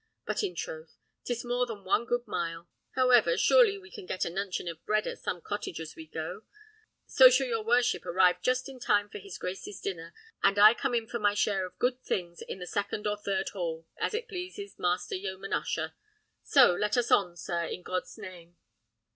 But, in troth, 'tis more than one good mile. However, surely we can get a nuncheon of bread at some cottage as we go; so shall your worship arrive just in time for his grace's dinner, and I come in for my share of good things in the second or third hall, as it pleases master yeoman usher. So let us on, sir, i' God's name."